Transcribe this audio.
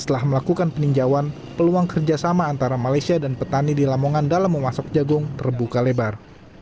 setelah melakukan peninjauan peluang kerjasama antara malaysia dan petani di lamongan dalam memasak jagung terbuka lebar